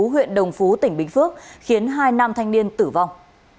huyện đồng phú tỉnh bình phước khiến hai nam thanh niên tử vong